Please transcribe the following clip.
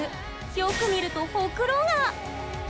よく見るとほくろが！